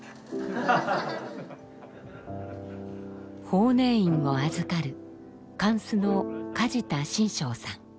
法然院を預かる貫主の梶田真章さん。